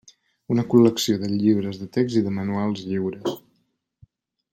Una col·lecció de llibres de text i de manuals lliures.